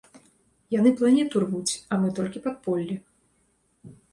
Яны планету рвуць, а мы толькі падполлі.